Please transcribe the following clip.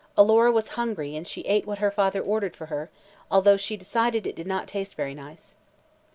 Alora was hungry and she ate what her father ordered for her, although she decided it did not taste very nice.